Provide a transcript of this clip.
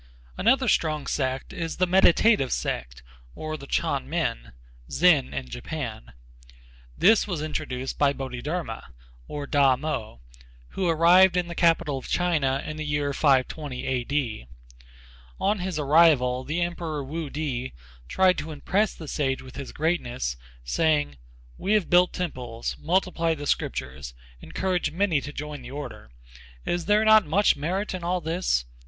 Another strong sect is the Meditative sect or the Ch'an Men (Zen in Japan). This was introduced by Bodhidharma, or Tamo, who arrived in the capital of China in the year 520 A.D. On his arrival the emperor Wu Ti tried to impress the sage with his greatness saying: "We have built temples, multiplied the Scriptures, encouraged many to join the Order: is not there much merit in all this?"